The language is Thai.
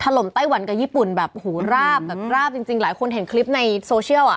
ลมไต้หวันกับญี่ปุ่นแบบหูราบแบบราบจริงจริงหลายคนเห็นคลิปในโซเชียลอ่ะ